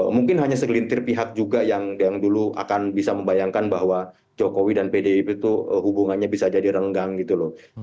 mungkin hanya segelintir pihak juga yang dulu akan bisa membayangkan bahwa jokowi dan pdip itu hubungannya bisa jadi renggang gitu loh